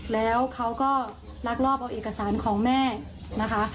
แล้วเขาก็ลักลอบเอาเอกสารของแม่นะคะ